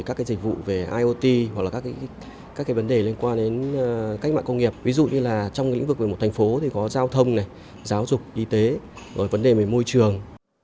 các dịch vụ về iot hoặc các vấn đề liên quan đến cách mạng công nghiệp ví dụ như trong lĩnh vực của một thành phố có giao thông giáo dục y tế vấn đề về môi trường